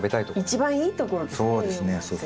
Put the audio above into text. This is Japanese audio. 一番いいところですね